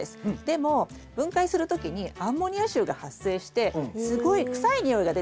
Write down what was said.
でも分解する時にアンモニア臭が発生してすごいくさい臭いが出てきちゃう。